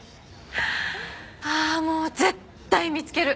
ああもう絶対見つける！